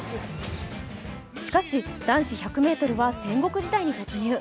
しかし、男子１００ｍは戦国時代に突入。